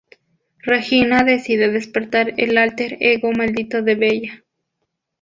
Regina decide despertar el alter ego maldito de Bella.